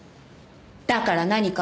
だから何か？